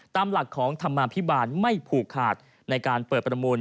ตามหลักของธรรมาภิบาลไม่ผูกขาดในการเปิดประมูล